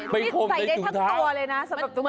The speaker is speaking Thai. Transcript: ใส่ได้ทั้งตัวเลยนะสำหรับตุ๊กแก่